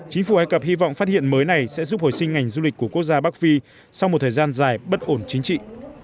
chính phủ ai cập hy vọng phát hiện mới này sẽ giúp hồi sinh ngành du lịch của quốc gia bắc phi sau một thời gian dài bất ổn chính trị